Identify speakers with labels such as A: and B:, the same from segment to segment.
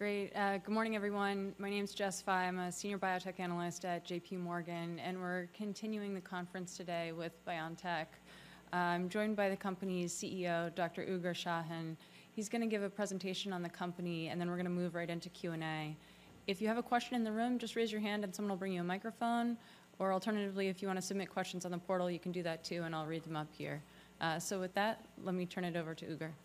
A: Great. Good morning, everyone. My name is Jess Fye. I'm a senior biotech analyst at J.P. Morgan, and we're continuing the conference today with BioNTech. Joined by the company's CEO, Dr. Ugur Sahin. He's gonna give a presentation on the company, and then we're gonna move right into Q&A. If you have a question in the room, just raise your hand and someone will bring you a microphone. Or alternatively, if you want to submit questions on the portal, you can do that too, and I'll read them up here. So with that, let me turn it over to Ugur.
B: Yeah.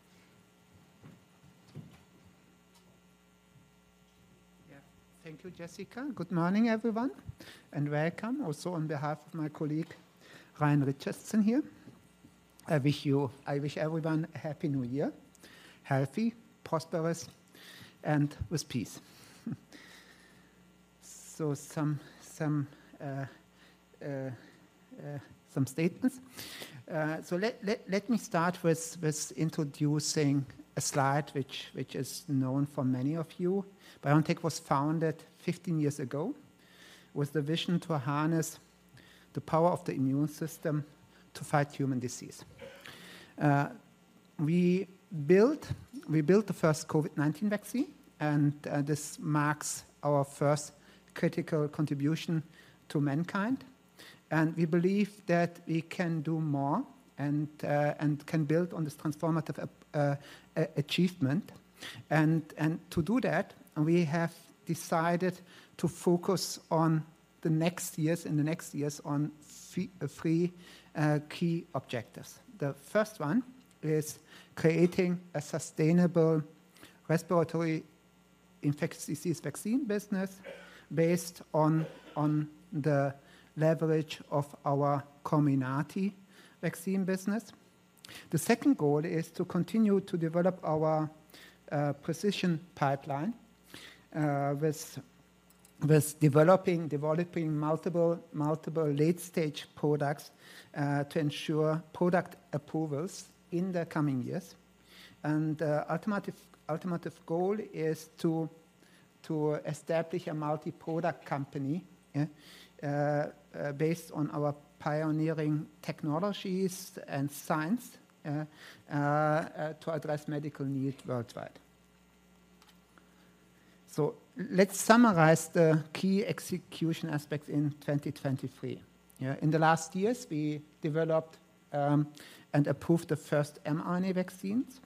B: Thank you, Jessica. Good morning, everyone, and welcome also on behalf of my colleague, Ryan Richardson, here. I wish everyone a happy New Year, healthy, prosperous, and with peace. So some statements. So let me start with introducing a slide, which is known for many of you. BioNTech was founded 15 years ago with the vision to harness the power of the immune system to fight human disease. We built the first COVID-19 vaccine, and this marks our first critical contribution to mankind, and we believe that we can do more and can build on this transformative achievement. And to do that, we have decided to focus on the next years, in the next years on three key objectives. The first one is creating a sustainable respiratory infectious disease vaccine business based on the leverage of our Comirnaty vaccine business. The second goal is to continue to develop our precision pipeline with developing multiple late-stage products to ensure product approvals in the coming years. And ultimate goal is to establish a multi-product company based on our pioneering technologies and science to address medical needs worldwide. So let's summarize the key execution aspects in 2023. In the last years, we developed and approved the first mRNA vaccines.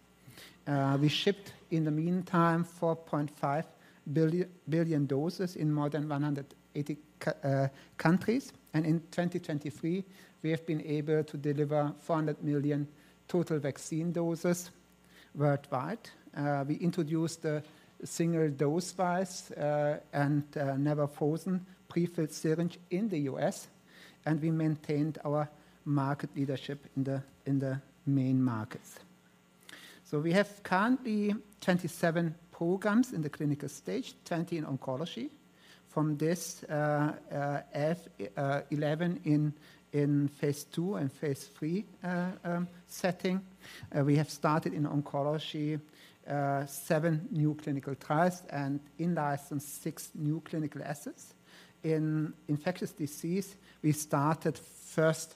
B: We shipped, in the meantime, 4.5 billion doses in more than 180 countries. And in 2023, we have been able to deliver 400 million total vaccine doses worldwide. We introduced the single-dose vials and never frozen prefilled syringe in the U.S., and we maintained our market leadership in the main markets. So we have currently 27 programs in the clinical stage, 20 in oncology. From this, 11 in Phase II and Phase III setting. We have started in oncology seven new clinical trials and in-licensed six new clinical assets. In infectious disease, we started first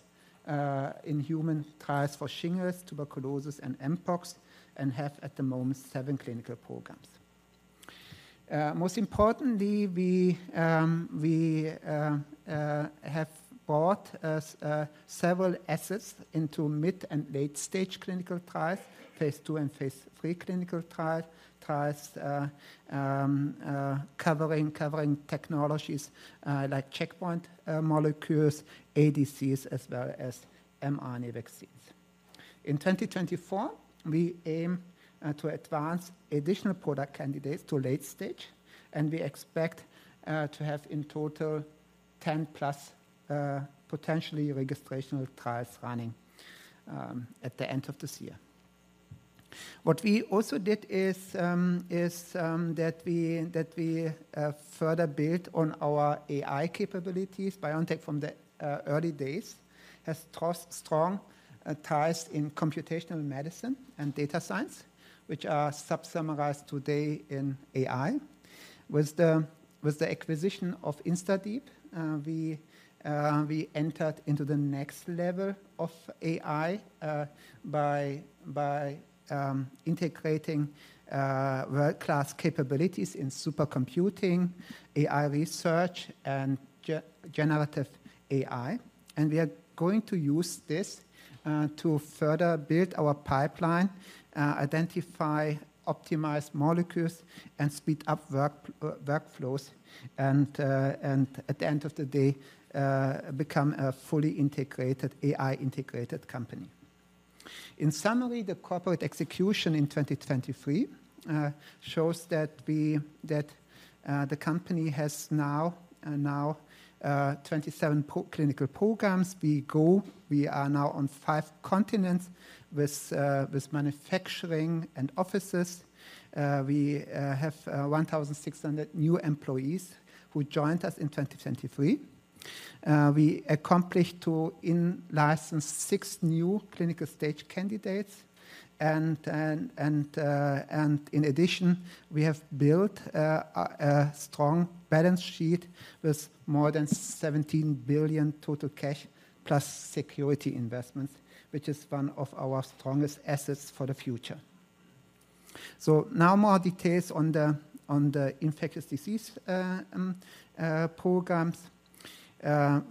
B: in human trials for shingles, tuberculosis, and mpox, and have, at the moment, seven clinical programs. Most importantly, we have brought several assets into mid- and late-stage clinical trials, Phase II and Phase III clinical trials covering technologies like checkpoint molecules, ADCs, as well as mRNA vaccines. In 2024, we aim to advance additional product candidates to late stage, and we expect to have in total 10+ potentially registrational trials running at the end of this year. What we also did is that we further built on our AI capabilities. BioNTech, from the early days, has had strong ties in computational medicine and data science, which are subsumed today in AI. With the acquisition of InstaDeep, we entered into the next level of AI by integrating world-class capabilities in supercomputing, AI research, and generative AI. And we are going to use this to further build our pipeline, identify optimized molecules, and speed up workflows, and at the end of the day, become a fully integrated, AI-integrated company. In summary, the corporate execution in 2023 shows that the company has now 27 clinical programs. We are now on five continents with manufacturing and offices. We have 1,600 new employees who joined us in 2023. We accomplished to in-license six new clinical-stage candidates. And in addition, we have built a strong balance sheet with more than 17 billion total cash, plus security investments, which is one of our strongest assets for the future. So now more details on the infectious disease programs.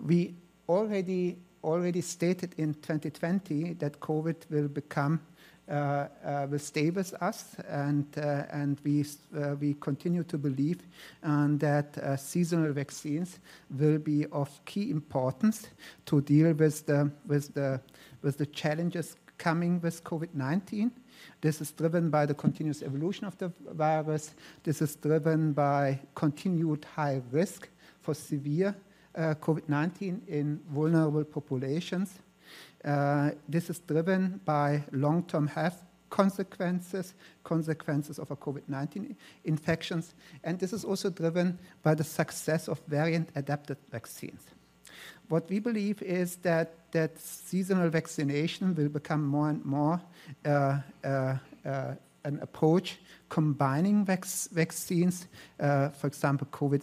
B: We already stated in 2020 that COVID will become, will stay with us, and we continue to believe that seasonal vaccines will be of key importance to deal with the challenges coming with COVID-19. This is driven by the continuous evolution of the virus. This is driven by continued high risk for severe COVID-19 in vulnerable populations. This is driven by long-term health consequences of a COVID-19 infections, and this is also driven by the success of variant-adapted vaccines. What we believe is that seasonal vaccination will become more and more an approach combining vaccines, for example, COVID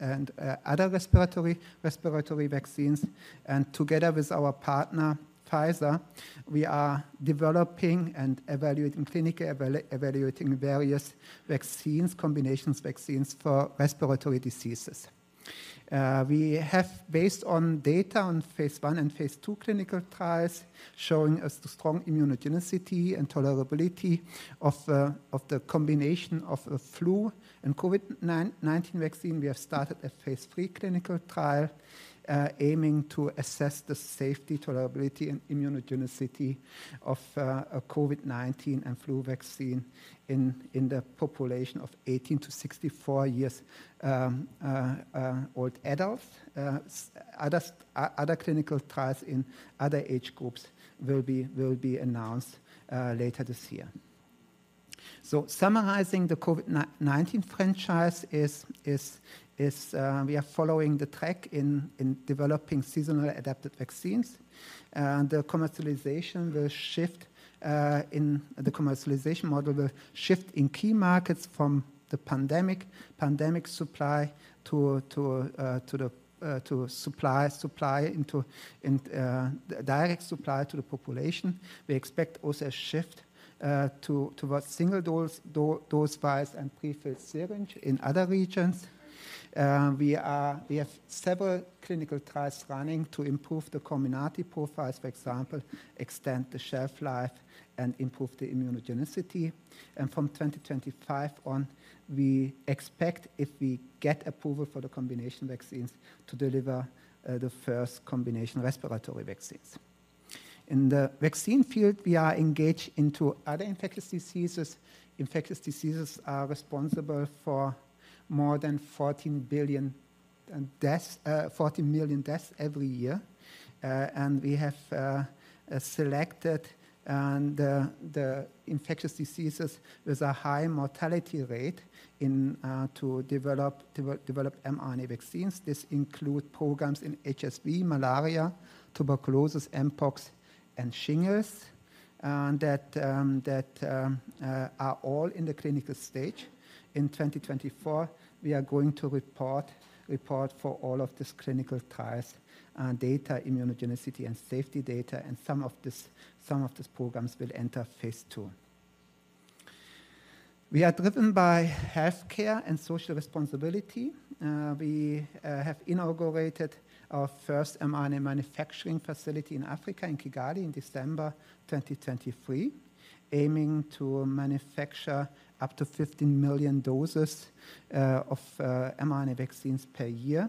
B: and other respiratory vaccines. Together with our partner, Pfizer, we are developing and evaluating various combination vaccines for respiratory diseases. We have, based on data from Phase I and Phase II clinical trials, showing us the strong immunogenicity and tolerability of the combination of the flu and COVID-19 vaccine. We have started a Phase III clinical trial aiming to assess the safety, tolerability, and immunogenicity of a COVID-19 and flu vaccine in the population of 18-64-year-old adults. Other clinical trials in other age groups will be announced later this year. So, summarizing, the COVID-19 franchise is. We are following the track in developing seasonal adapted vaccines, and the commercialization model will shift in key markets from the pandemic supply to supply into direct supply to the population. We expect also a shift to towards single dose vials and prefilled syringe in other regions. We have several clinical trials running to improve the combination profiles, for example, extend the shelf life and improve the immunogenicity. And from 2025 on, we expect, if we get approval for the combination vaccines, to deliver the first combination respiratory vaccines. In the vaccine field, we are engaged into other infectious diseases. Infectious diseases are responsible for more than 14 billion deaths, 14 million deaths every year. We have selected the infectious diseases with a high mortality rate in to develop mRNA vaccines. This includes programs in HSV, malaria, tuberculosis, mpox, and shingles that are all in the clinical stage. In 2024, we are going to report for all of these clinical trials and data, immunogenicity and safety data, and some of these programs will enter Phase II. We are driven by healthcare and social responsibility. We have inaugurated our first mRNA manufacturing facility in Africa, in Kigali, in December 2023, aiming to manufacture up to 15 million doses of mRNA vaccines per year.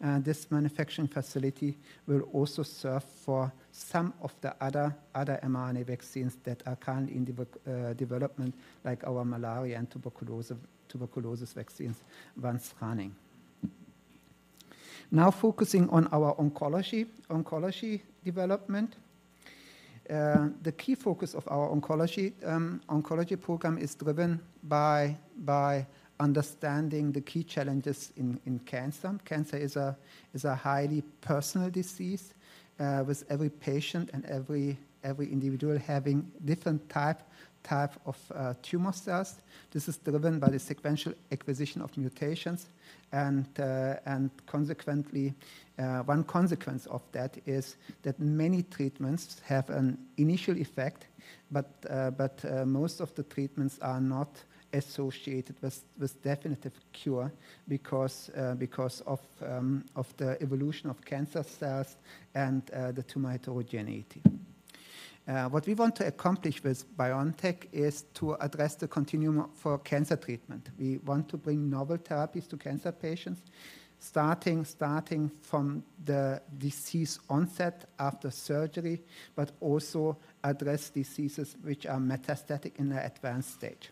B: This manufacturing facility will also serve for some of the other mRNA vaccines that are currently in development, like our malaria and tuberculosis vaccines, once running. Now focusing on our oncology development. The key focus of our oncology program is driven by understanding the key challenges in cancer. Cancer is a highly personal disease with every patient and every individual having different type of tumor cells. This is driven by the sequential acquisition of mutations, and consequently, one consequence of that is that many treatments have an initial effect, but most of the treatments are not associated with definitive cure because of the evolution of cancer cells and the tumor heterogeneity. What we want to accomplish with BioNTech is to address the continuum for cancer treatment. We want to bring novel therapies to cancer patients, starting from the disease onset after surgery, but also address diseases which are metastatic in their advanced stage.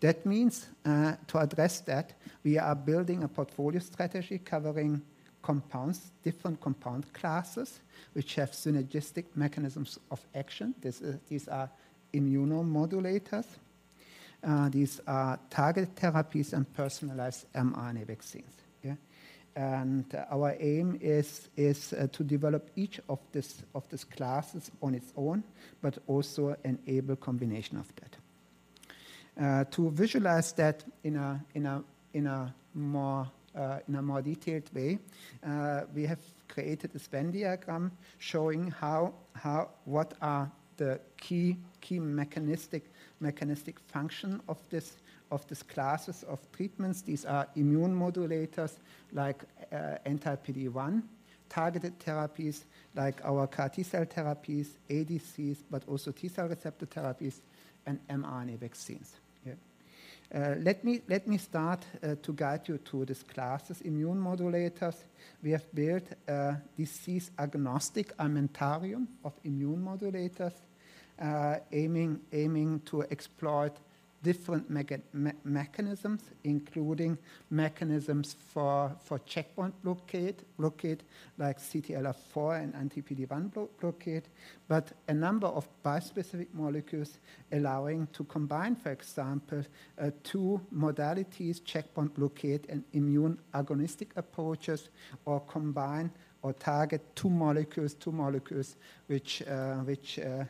B: That means to address that, we are building a portfolio strategy covering compounds, different compound classes, which have synergistic mechanisms of action. These are immunomodulators, these are targeted therapies and personalized mRNA vaccines. Yeah. And our aim is to develop each of these classes on its own, but also enable combination of that. To visualize that in a more detailed way, we have created this Venn diagram showing how what are the key mechanistic function of these classes of treatments. These are immune modulators, like, anti-PD-1, targeted therapies like our CAR T cell therapies, ADCs, but also T cell receptor therapies and mRNA vaccines. Yeah. Let me start to guide you through these classes. Immune modulators, we have built a disease-agnostic armamentarium of immune modulators, aiming to exploit different mechanisms, including mechanisms for checkpoint blockade like CTLA-4 and anti-PD-1 blockade, but a number of bispecific molecules allowing to combine, for example, two modalities, checkpoint blockade and immune agonistic approaches, or combine or target two molecules which are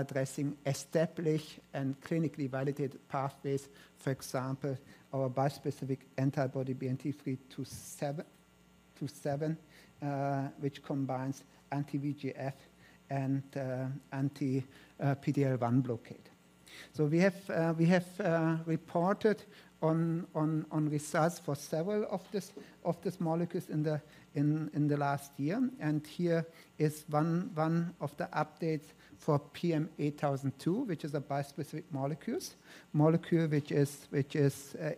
B: addressing established and clinically validated pathways. For example, our bispecific antibody, BNT327, which combines anti-VEGF and anti-PD-L1 blockade. So we have reported on results for several of these molecules in the last year. And here is one of the updates for PM8002, which is a bispecific molecule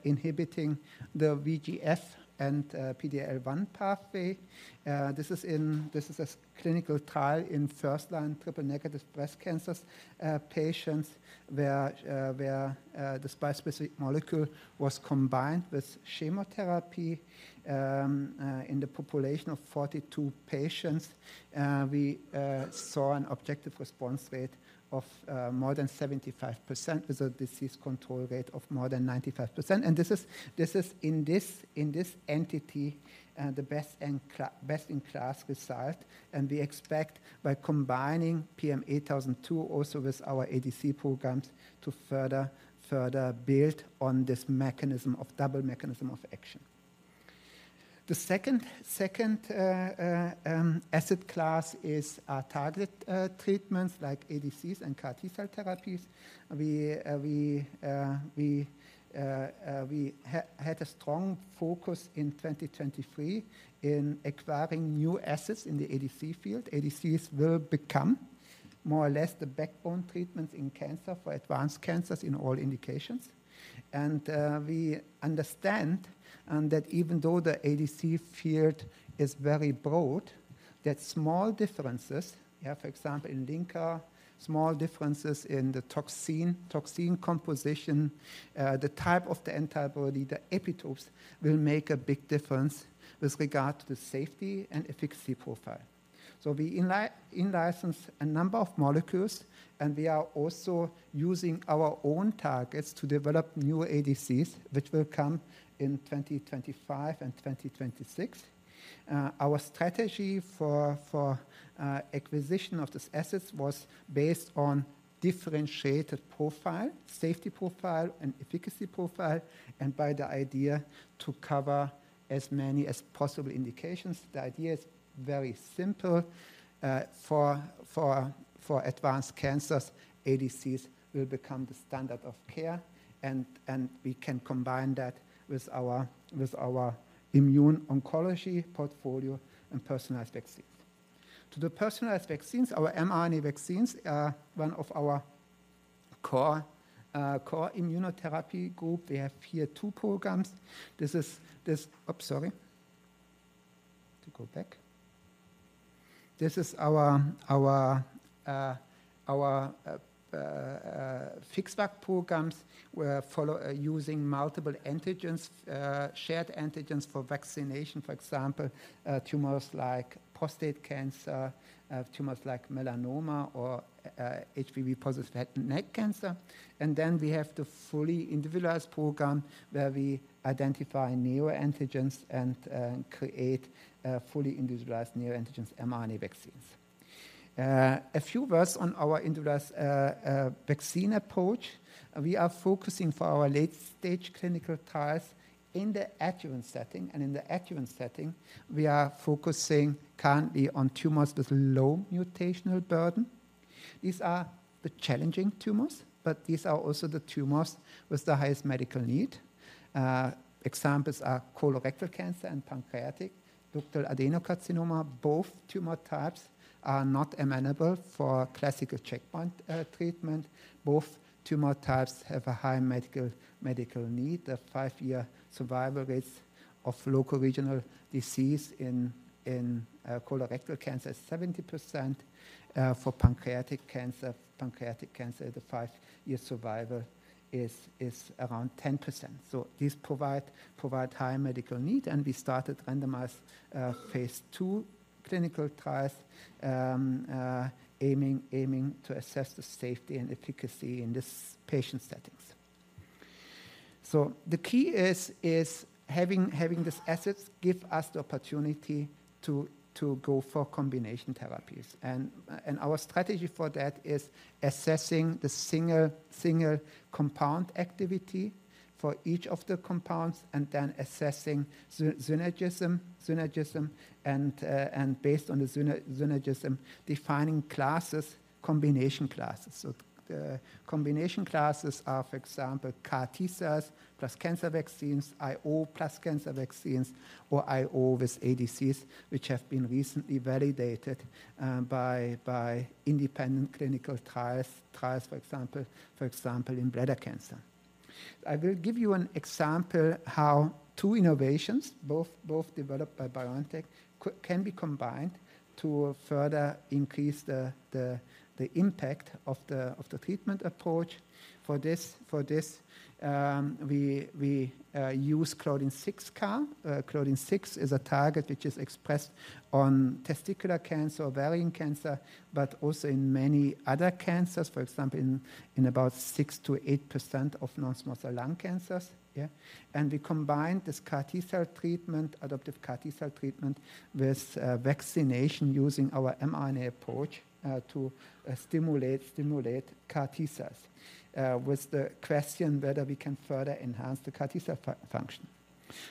B: inhibiting the VEGF and PD-L1 pathway. This is a clinical trial in first-line triple-negative breast cancers patients, where this bispecific molecule was combined with chemotherapy. In the population of 42 patients, we saw an objective response rate of more than 75%, with a disease control rate of more than 95%. And this is in this entity the best-in-class result. We expect by combining PM8002 also with our ADC programs, to further build on this mechanism of double mechanism of action. The second asset class is our target treatments like ADCs and CAR T cell therapies. We had a strong focus in 2023 in acquiring new assets in the ADC field. ADCs will become more or less the backbone treatments in cancer for advanced cancers in all indications. We understand that even though the ADC field is very broad, that small differences, for example, in linker, small differences in the toxin composition, the type of the antibody, the epitopes, will make a big difference with regard to the safety and efficacy profile. So we in-license a number of molecules, and we are also using our own targets to develop new ADCs, which will come in 2025 and 2026. Our strategy for acquisition of these assets was based on differentiated profile, safety profile, and efficacy profile, and by the idea to cover as many as possible indications. The idea is very simple. For advanced cancers, ADCs will become the standard of care, and we can combine that with our immuno-oncology portfolio and personalized vaccines. To the personalized vaccines, our mRNA vaccines are one of our core immunotherapy group. We have here two programs. This is this. Oh, sorry. To go back. This is our FixVac programs, where follow using multiple antigens, shared antigens for vaccination, for example, tumors like prostate cancer, tumors like melanoma or HPV-positive head and neck cancer. And then we have the fully individualized program, where we identify neoantigens and create fully individualized neoantigens mRNA vaccines. A few words on our individualized vaccine approach. We are focusing for our late-stage clinical trials in the adjuvant setting, and in the adjuvant setting, we are focusing currently on tumors with low mutational burden. These are the challenging tumors, but these are also the tumors with the highest medical need. Examples are colorectal cancer and pancreatic ductal adenocarcinoma. Both tumor types are not amenable for classical checkpoint treatment. Both tumor types have a high medical need. The five-year survival rates of loco-regional disease in colorectal cancer is 70%. For pancreatic cancer, the five-year survival is around 10%. So these provide high medical need, and we started randomized Phase II clinical trials aiming to assess the safety and efficacy in these patient settings. So the key is having these assets give us the opportunity to go for combination therapies. And our strategy for that is assessing the single compound activity for each of the compounds, and then assessing synergism, and based on the synergism, defining classes, combination classes. So the combination classes are, for example, CAR T cells plus cancer vaccines, IO plus cancer vaccines, or IO with ADCs, which have been recently validated by independent clinical trials, for example, in bladder cancer. I will give you an example how two innovations, both developed by BioNTech, can be combined to further increase the impact of the treatment approach. For this, we use Claudin 6 CAR. Claudin 6 is a target which is expressed on testicular cancer, ovarian cancer, but also in many other cancers, for example, in about 6%-8% of non-small cell lung cancers. Yeah. We combined this CAR T cell treatment, adoptive CAR T cell treatment, with vaccination using our mRNA approach, to stimulate CAR T cells, with the question whether we can further enhance the CAR T cell function.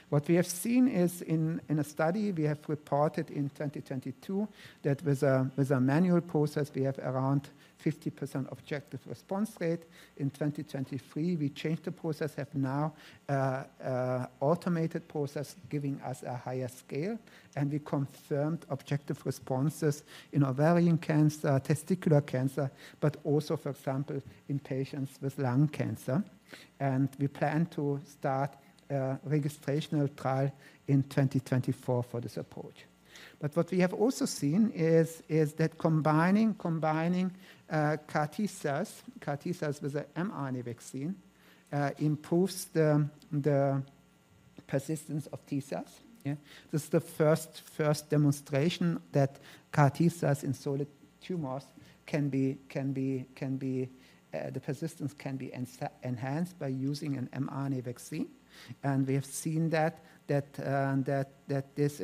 B: What we have seen is in a study we have reported in 2022, that with a manual process, we have around 50% objective response rate. In 2023, we changed the process, have now automated process, giving us a higher scale, and we confirmed objective responses in ovarian cancer, testicular cancer, but also, for example, in patients with lung cancer. We plan to start a registrational trial in 2024 for this approach. But what we have also seen is that combining CAR T cells with an mRNA vaccine improves the persistence of T cells. Yeah. This is the first demonstration that the persistence of CAR T cells in solid tumors can be enhanced by using an mRNA vaccine. And we have seen that this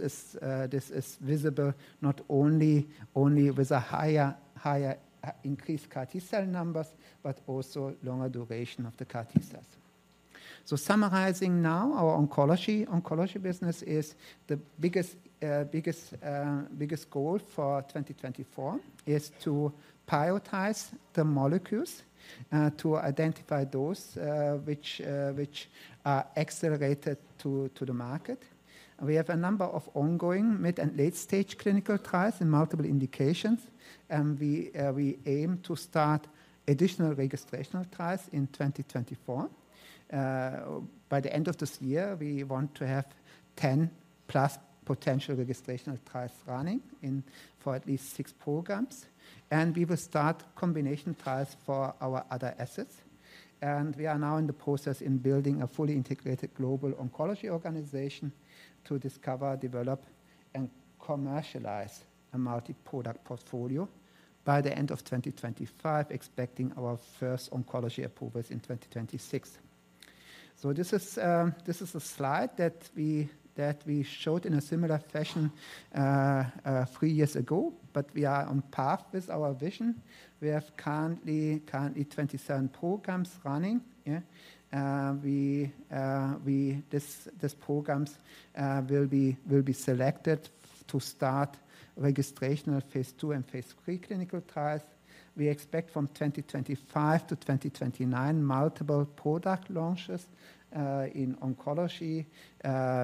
B: is visible not only with a higher increased CAR T cell numbers, but also longer duration of the CAR T cells. So summarizing now, our oncology business is the biggest goal for 2024 is to prioritize the molecules to identify those which are accelerated to the market. We have a number of ongoing mid and late-stage clinical trials in multiple indications, and we aim to start additional registrational trials in 2024. By the end of this year, we want to have 10+ potential registrational trials running for at least six programs, and we will start combination trials for our other assets. We are now in the process of building a fully integrated global oncology organization to discover, develop, and commercialize a multi-product portfolio by the end of 2025, expecting our first oncology approvals in 2026. So this is a slide that we showed in a similar fashion three years ago, but we are on path with our vision. We have currently 27 programs running. These programs will be selected to start registrational Phase II and Phase III clinical trials. We expect from 2025 to 2029, multiple product launches in oncology.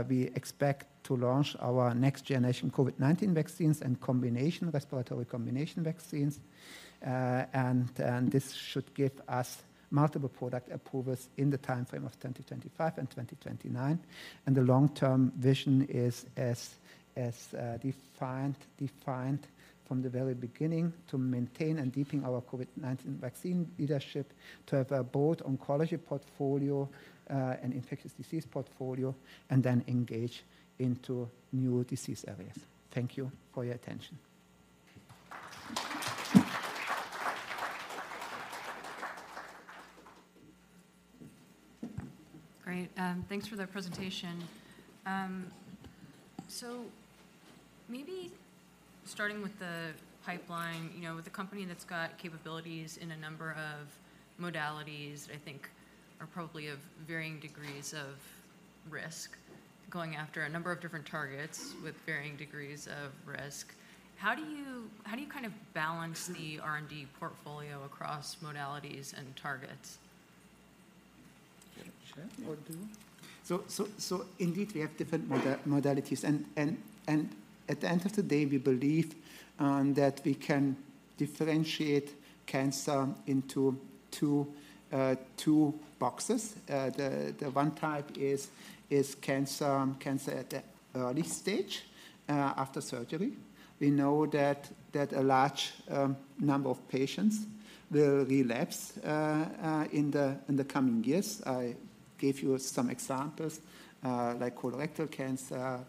B: We expect to launch our next-generation COVID-19 vaccines and combination, respiratory combination vaccines. And this should give us multiple product approvals in the timeframe of 2025 and 2029. And the long-term vision is as defined from the very beginning, to maintain and deepen our COVID-19 vaccine leadership, to have a broad oncology portfolio and infectious disease portfolio, and then engage into new disease areas. Thank you for your attention.
A: Great. Thanks for the presentation. So maybe starting with the pipeline, you know, with a company that's got capabilities in a number of modalities, I think are probably of varying degrees of risk, going after a number of different targets with varying degrees of risk, how do you, how do you kind of balance the R&D portfolio across modalities and targets?
B: Sure. Or do you? So indeed, we have different modalities. And at the end of the day, we believe that we can differentiate cancer into two boxes. The one type is cancer at the early stage after surgery. We know that a large number of patients will relapse in the coming years. I gave you some examples like colorectal cancer,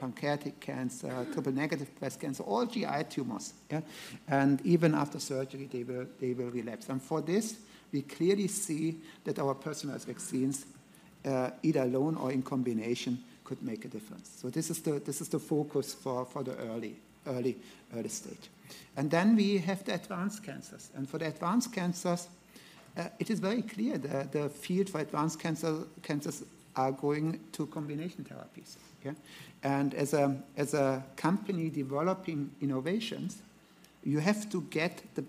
B: pancreatic cancer, triple-negative breast cancer, all GI tumors, yeah? And even after surgery, they will relapse. And for this, we clearly see that our personalized vaccines either alone or in combination could make a difference. So this is the focus for the early stage. And then we have the advanced cancers. For the advanced cancers, it is very clear that the field for advanced cancers are going to combination therapies, yeah? And as a company developing innovations, you have to get the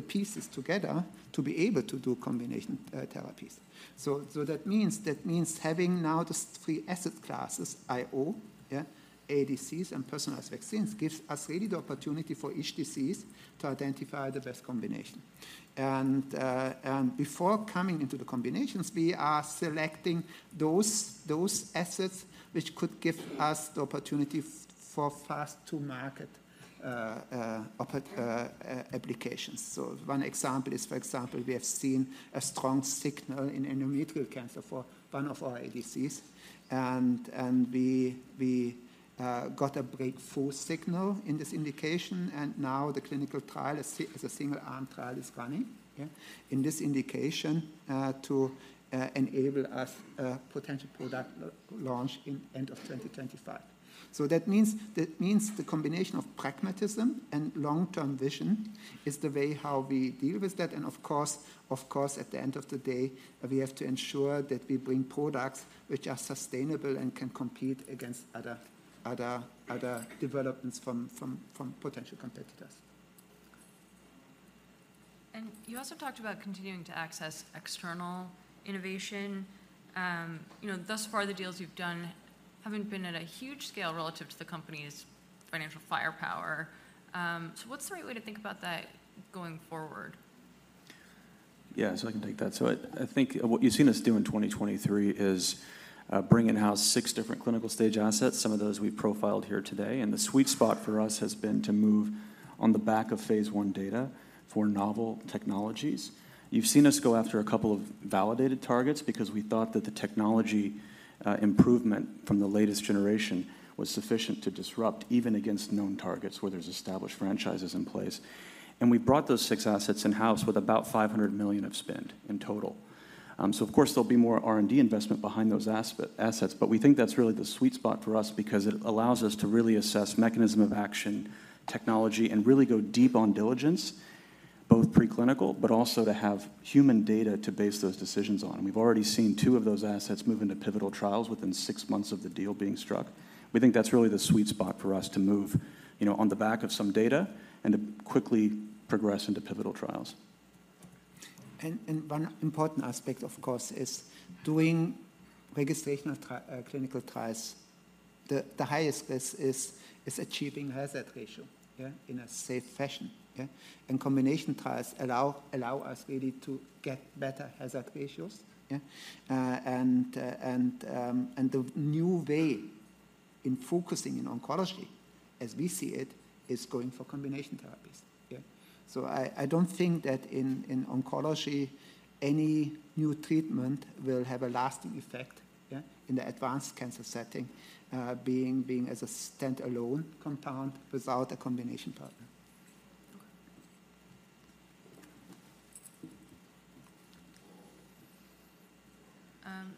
B: pieces together to be able to do combination therapies. So that means having now the three asset classes, IO, yeah, ADCs, and personalized vaccines, gives us really the opportunity for each disease to identify the best combination. And before coming into the combinations, we are selecting those assets which could give us the opportunity for fast-to-market applications. For example, we have seen a strong signal in endometrial cancer for one of our ADCs. We got a breakthrough signal in this indication, and now the clinical trial, a single-arm trial, is running in this indication to enable us a potential product launch at the end of 2025. So that means the combination of pragmatism and long-term vision is the way how we deal with that. Of course, at the end of the day, we have to ensure that we bring products which are sustainable and can compete against other developments from potential competitors.
A: You also talked about continuing to access external innovation. You know, thus far, the deals you've done haven't been at a huge scale relative to the company's financial firepower. So what's the right way to think about that going forward?
C: Yeah, so I can take that. So I think what you've seen us do in 2023 is bring in-house six different clinical stage assets, some of those we profiled here today. And the sweet spot for us has been to move on the back of Phase I data for novel technologies. You've seen us go after a couple of validated targets because we thought that the technology, improvement from the latest generation was sufficient to disrupt, even against known targets where there's established franchises in place. And we brought those six assets in-house with about 500 million of spend in total. So of course, there'll be more R&D investment behind those assets, but we think that's really the sweet spot for us because it allows us to really assess mechanism of action, technology, and really go deep on diligence, both preclinical, but also to have human data to base those decisions on. We've already seen two of those assets move into pivotal trials within six months of the deal being struck. We think that's really the sweet spot for us to move, you know, on the back of some data and to quickly progress into pivotal trials.
B: One important aspect, of course, is doing registrational clinical trials. The highest risk is achieving hazard ratio, yeah, in a safe fashion, yeah? Combination trials allow us really to get better hazard ratios, yeah. The new way in focusing in oncology, as we see it, is going for combination therapies, yeah? So I don't think that in oncology, any new treatment will have a lasting effect, yeah, in the advanced cancer setting, being as a standalone compound without a combination partner.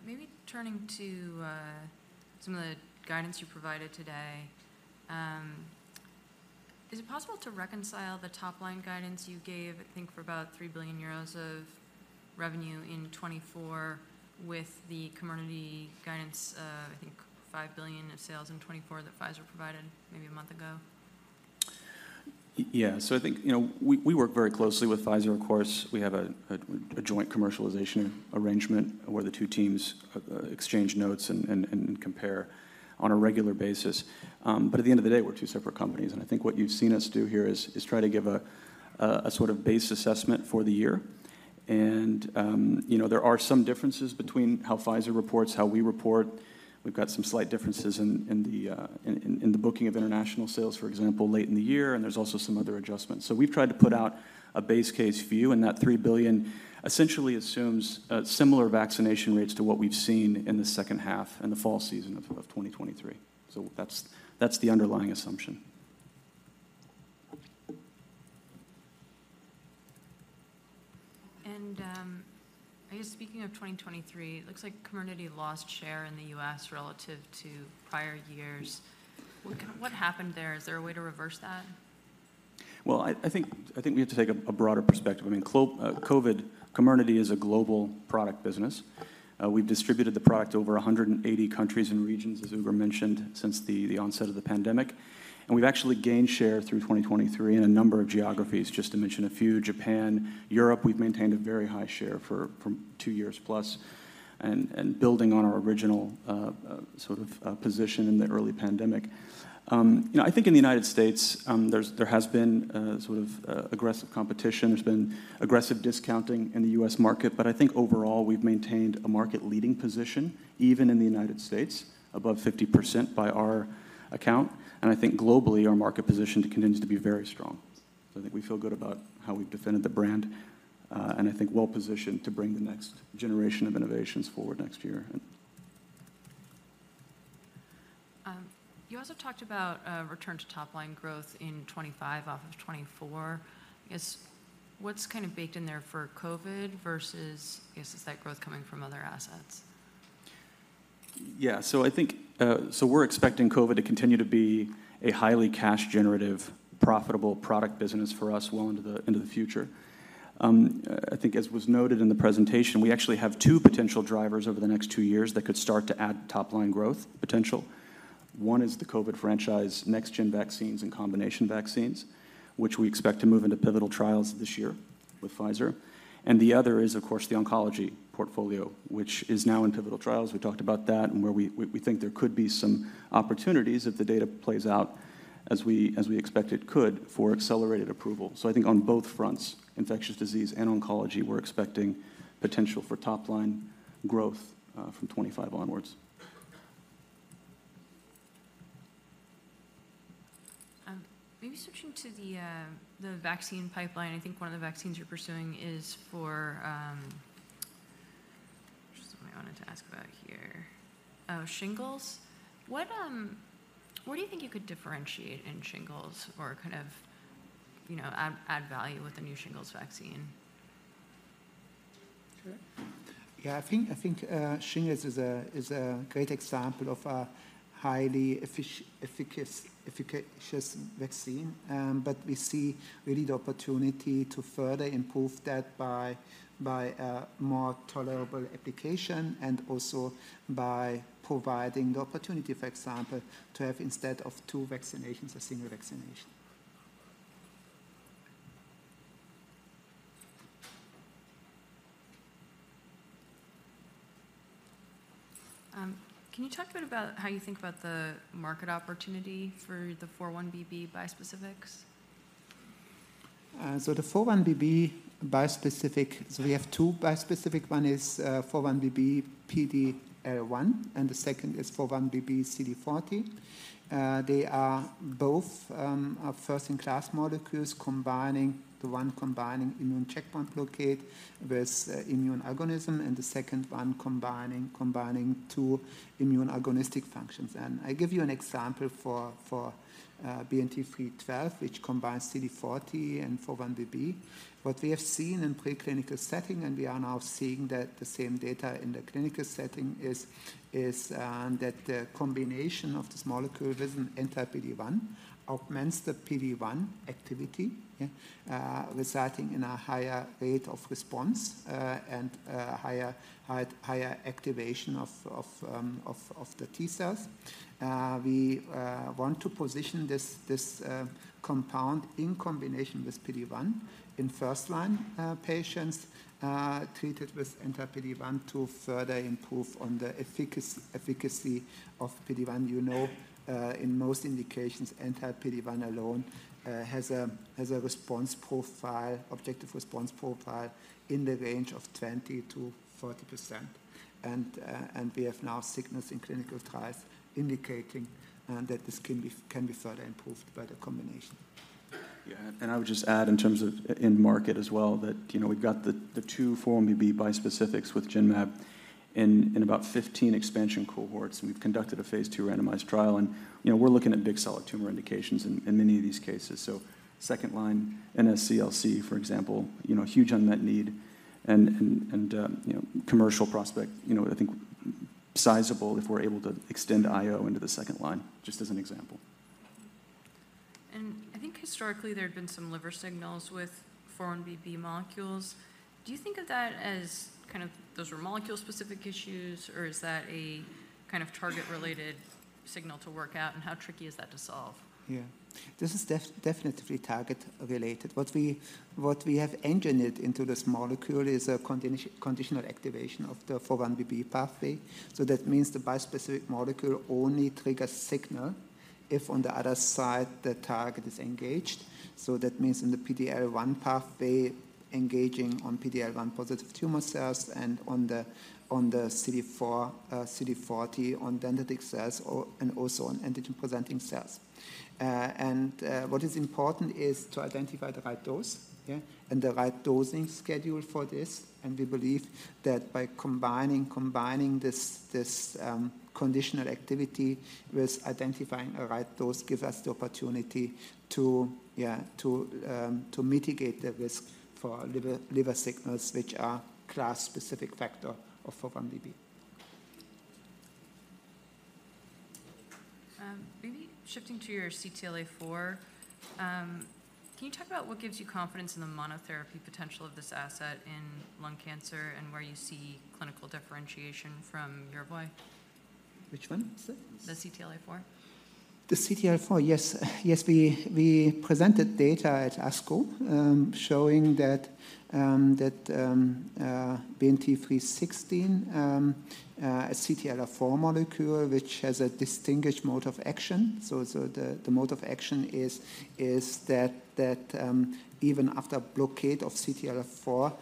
A: Maybe turning to some of the guidance you provided today. Is it possible to reconcile the top-line guidance you gave, I think, for about 3 billion euros of revenue in 2024 with the Comirnaty guidance, I think $5 billion of sales in 2024 that Pfizer provided maybe a month ago?
C: Yeah. So I think, you know, we work very closely with Pfizer, of course. We have a joint commercialization arrangement where the two teams exchange notes and compare on a regular basis. But at the end of the day, we're two separate companies, and I think what you've seen us do here is try to give a sort of base assessment for the year. And you know, there are some differences between how Pfizer reports, how we report. We've got some slight differences in the booking of international sales, for example, late in the year, and there's also some other adjustments. So we've tried to put out a base case view, and that 3 billion essentially assumes similar vaccination rates to what we've seen in the second half and the fall season of 2023. So that's the underlying assumption.
A: I guess speaking of 2023, it looks like Comirnaty lost share in the U.S. relative to prior years. What happened there? Is there a way to reverse that?
C: Well, I think we have to take a broader perspective. I mean, COVID, Comirnaty is a global product business. We've distributed the product to over 180 countries and regions, as Ugur mentioned, since the onset of the pandemic, and we've actually gained share through 2023 in a number of geographies. Just to mention a few: Japan, Europe, we've maintained a very high share for two years plus, and building on our original sort of position in the early pandemic. You know, I think in the United States, there has been a sort of aggressive competition. There's been aggressive discounting in the U.S. market, but I think overall, we've maintained a market-leading position, even in the United States, above 50% by our account. I think globally, our market position continues to be very strong.... I think we feel good about how we've defended the brand, and I think well-positioned to bring the next generation of innovations forward next year, and.
A: You also talked about a return to top-line growth in 2025 off of 2024. What's kind of baked in there for COVID versus, I guess, is that growth coming from other assets?
C: Yeah. So I think, so we're expecting COVID to continue to be a highly cash-generative, profitable product business for us well into the future. I think as was noted in the presentation, we actually have two potential drivers over the next two years that could start to add top-line growth potential. One is the COVID franchise, next-gen vaccines and combination vaccines, which we expect to move into pivotal trials this year with Pfizer. And the other is, of course, the oncology portfolio, which is now in pivotal trials. We talked about that and where we think there could be some opportunities if the data plays out as we expect it could, for accelerated approval. So I think on both fronts, infectious disease and oncology, we're expecting potential for top-line growth, from 25 onwards.
A: Maybe switching to the vaccine pipeline. I think one of the vaccines you're pursuing is for... Which is the one I wanted to ask about here? Oh, shingles. What, where do you think you could differentiate in shingles or kind of, you know, add value with the new shingles vaccine?
B: Sure. Yeah, I think, shingles is a great example of a highly efficacious vaccine. But we see really the opportunity to further improve that by a more tolerable application and also by providing the opportunity, for example, to have, instead of two vaccinations, a single vaccination.
A: Can you talk a bit about how you think about the market opportunity for the 4-1BB bispecifics?
B: So the 4-1BB bispecific, so we have two bispecific. One is 4-1BB PD-L1, and the second is 4-1BB CD40. They are both first-in-class molecules combining the one combining immune checkpoint blockade with immune agonism, and the second one combining two immune agonistic functions. And I give you an example for BNT312, which combines CD40 and 4-1BB. What we have seen in preclinical setting, and we are now seeing that the same data in the clinical setting, is that the combination of this molecule with an anti-PD-1 augments the PD-1 activity, yeah, resulting in a higher rate of response, and higher activation of the T cells. We want to position this compound in combination with PD-1 in first-line patients treated with anti-PD-1 to further improve on the efficacy of PD-1. You know, in most indications, anti-PD-1 alone has a response profile, objective response profile in the range of 20%-40%. We have now signals in clinical trials indicating that this can be further improved by the combination.
C: Yeah, and I would just add in terms of end market as well, that, you know, we've got the two 4-1BB bispecifics with Genmab in about 15 expansion cohorts, and we've conducted a Phase II randomized trial. You know, we're looking at big solid tumor indications in many of these cases. Second line NSCLC, for example, you know, huge unmet need and, and you know, commercial prospect, you know, I think sizable if we're able to extend IO into the second line, just as an example.
A: I think historically there have been some liver signals with 4-1BB molecules. Do you think of that as kind of those were molecule-specific issues, or is that a kind of target-related signal to work out, and how tricky is that to solve?
B: Yeah. This is definitely target related. What we have engineered into this molecule is a conditional activation of the 4-1BB pathway. So that means the bispecific molecule only triggers signal if on the other side, the target is engaged. So that means in the PD-L1 pathway, engaging on PD-L1 positive tumor cells and on the CD40 on dendritic cells or and also on antigen-presenting cells. And what is important is to identify the right dose, yeah, and the right dosing schedule for this. And we believe that by combining this conditional activity with identifying the right dose gives us the opportunity to, yeah, to mitigate the risk for liver signals, which are class-specific factor of 4-1BB.
A: Maybe shifting to your CTLA-4, can you talk about what gives you confidence in the monotherapy potential of this asset in lung cancer and where you see clinical differentiation from Yervoy?
B: Which one is it?
A: The CTLA-4....
B: The CTLA-4, yes, yes, we presented data at ASCO, showing that BNT316, a CTLA-4 molecule, which has a distinguished mode of action. So the mode of action is that even after blockade of CTLA-4,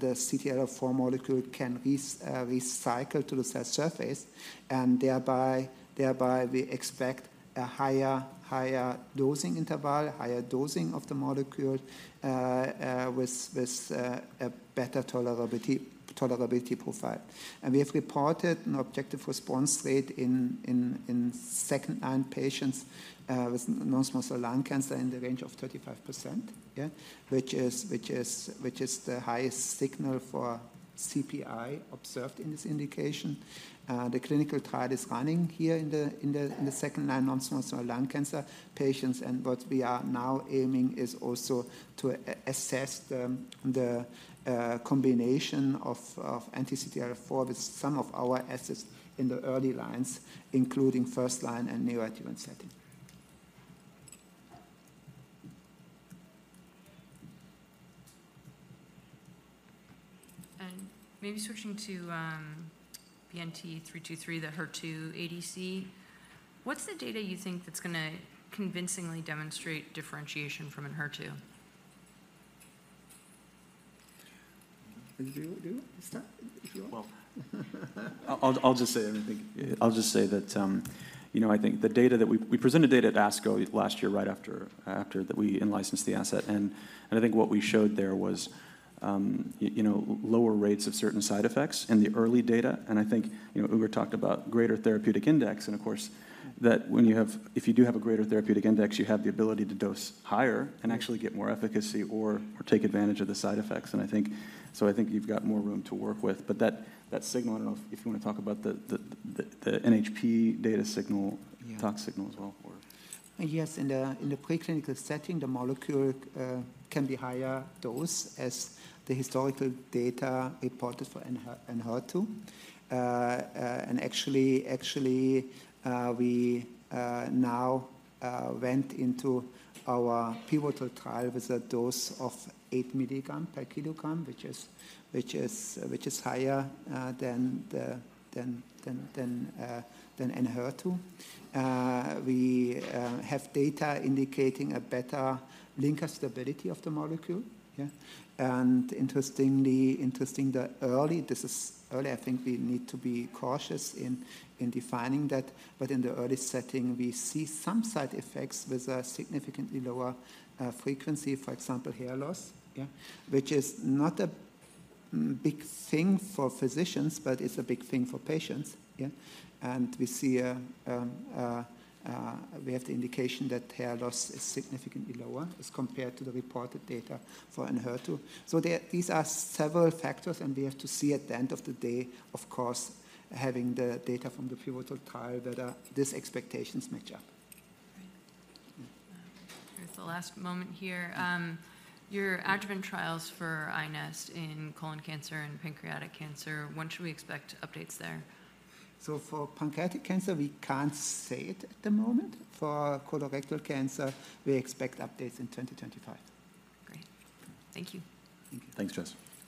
B: the CTLA-4 molecule can recycle to the cell surface, and thereby we expect a higher dosing interval, higher dosing of the molecule, with a better tolerability profile. And we have reported an objective response rate in second-line patients with non-small cell lung cancer in the range of 35%, yeah, which is the highest signal for CPI observed in this indication. The clinical trial is running here in the second-line non-small cell lung cancer patients, and what we are now aiming is also to assess the combination of anti-CTLA-4 with some of our assets in the early lines, including first line and neoadjuvant setting.
A: Maybe switching to BNT323, the HER2 ADC. What's the data you think that's gonna convincingly demonstrate differentiation from Enhertu?
B: Start if you want.
C: Well, I'll just say that, you know, I think the data that we presented data at ASCO last year right after that we in-licensed the asset, and I think what we showed there was, you know, lower rates of certain side effects in the early data. And I think, you know, Ugur talked about greater therapeutic index, and of course, that when you have if you do have a greater therapeutic index, you have the ability to dose higher and actually get more efficacy or take advantage of the side effects. And I think so I think you've got more room to work with. But that signal, I don't know if you want to talk about the NHP data signal.
B: Yeah.
C: tox signal as well or?
B: Yes, in the preclinical setting, the molecule can be higher dose as the historical data reported for Enhertu. And actually, we now went into our pivotal trial with a dose of 8 milligram per kilogram, which is higher than Enhertu. We have data indicating a better linker stability of the molecule, yeah. And interestingly, this is early, I think we need to be cautious in defining that, but in the early setting, we see some side effects with a significantly lower frequency, for example, hair loss, yeah. Which is not a big thing for physicians, but it's a big thing for patients, yeah. And we see, we have the indication that hair loss is significantly lower as compared to the reported data for Enhertu. So there, these are several factors, and we have to see at the end of the day, of course, having the data from the pivotal trial, whether these expectations match up.
A: Great. With the last moment here, your adjuvant trials for iNeST in colon cancer and pancreatic cancer, when should we expect updates there?
B: For pancreatic cancer, we can't say it at the moment. For colorectal cancer, we expect updates in 2025.
A: Great. Thank you.
B: Thank you.
C: Thanks, Jess.